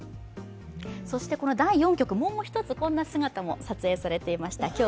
この第４局、もう一つこんな姿も撮影されていました。